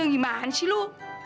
gimana sih lu